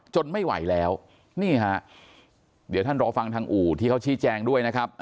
ไม่ไหวแล้วนี่ฮะเดี๋ยวท่านรอฟังทางอู่ที่เขาชี้แจงด้วยนะครับ